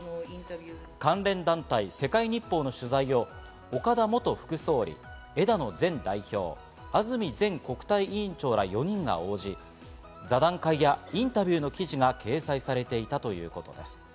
関連団体・世界日報の取材を岡田元副総理、枝野前代表、安住前国対委員長ら４人が応じ、座談会やインタビューの記事が掲載されていたということです。